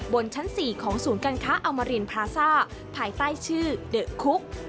ชั้น๔ของศูนย์การค้าอมรินพราซ่าภายใต้ชื่อเดอะคุก